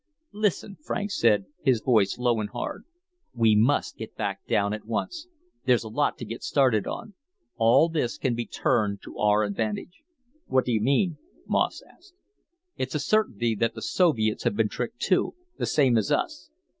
"Listen," Franks said, his voice low and hard. "We must get back down at once. There's a lot to get started on. All this can be turned to our advantage." "What do you mean?" Moss asked. "It's a certainty that the Soviets have been tricked, too, the same as us.